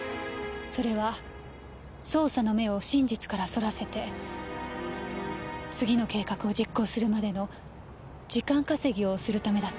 それは捜査の目を真実からそらせて次の計画を実行するまでの時間稼ぎをするためだったんでしょ？